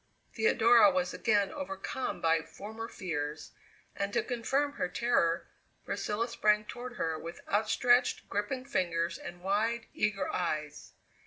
Theodora was again overcome by former fears, and to confirm her terror Priscilla sprang toward her with outstretched, gripping fingers and wide, eager eyes.